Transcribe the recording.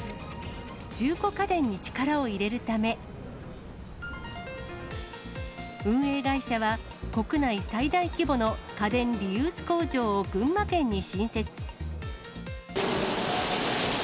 中古家電に力を入れるため、運営会社は、国内最大規模の家電リユース工場を群馬県に新設。